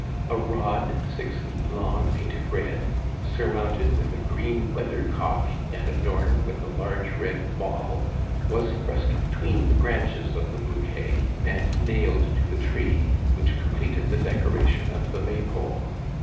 A rod six feet long, painted red, surmounted with a green weather cock and adorned with a large red ball, was thrust be tween the branches of the bouquet " and nailed to the tree, which completed the decoration of the May pole.